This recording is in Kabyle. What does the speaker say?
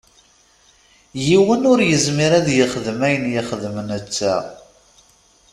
Yiwen ur izmir ad yexdem ayen i yexdem netta.